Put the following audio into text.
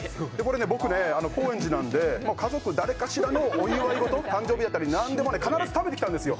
僕、高円寺なので家族誰かしらのお祝い事、誕生日だったりなんでも必ず食べてきたんですよ。